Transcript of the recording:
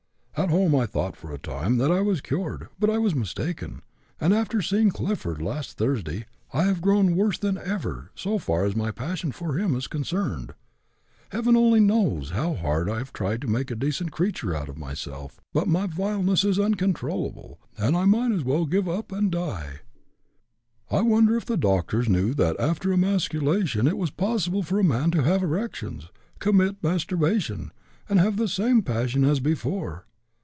At home I thought for a time that I was cured, but I was mistaken, and after seeing Clifford last Thursday I have grown worse than ever so far as my passion for him is concerned. Heaven, only knows how hard I have tried to make a decent creature out of myself, but my vileness is uncontrollable, and I might as well give up and die. I wonder if the doctors knew that after emasculation it was possible for a man to have erections, commit masturbation, and have the same passion as before.